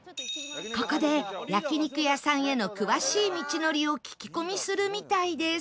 ここで焼肉屋さんへの詳しい道のりを聞き込みするみたいです